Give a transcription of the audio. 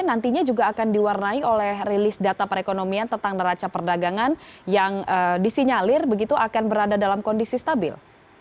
nantinya juga akan diwarnai oleh rilis data perekonomian tentang neraca perdagangan yang disinyalir begitu akan berada dalam kondisi stabil